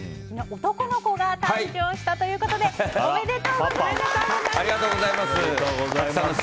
男の子が誕生したということでおめでとうございます！